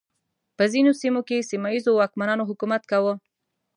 په ځینو سیمو کې سیمه ییزو واکمنانو حکومت کاوه.